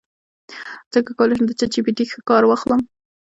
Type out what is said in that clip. څنګه کولی شم د چیټ جی پي ټي ښه کار واخلم